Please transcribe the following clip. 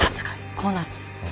こうなる。